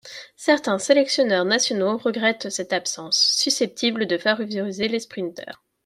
Certains sélectionneurs nationaux regrettent cette absence, susceptible de favoriser les sprinteurs.